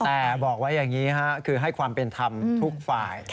แต่บอกว่าอย่างนี้คือให้ความเป็นธรรมทุกฝ่าย